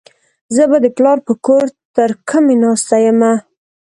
زه به د پلار په کور ترکمي ناسته يمه.